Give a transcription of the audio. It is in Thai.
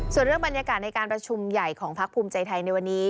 ส่วนเรื่องบรรยากาศในการประชุมใหญ่ของพักภูมิใจไทยในวันนี้